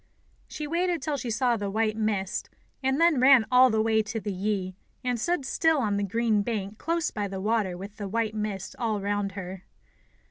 She waited till she saw the white mist, and then ran all the way to the Yi, and stood still on the green bank close by the water with the white mist all round her.